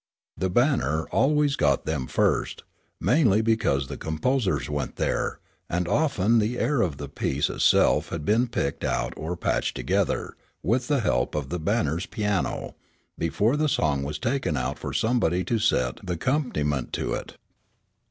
The "Banner" always got them first, mainly because the composers went there, and often the air of the piece itself had been picked out or patched together, with the help of the "Banner's" piano, before the song was taken out for somebody to set the "'companiment" to it.